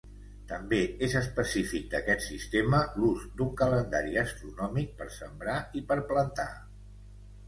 També és específic d’aquest sistema l'ús d'un calendari astronòmic per sembrar i per plantar.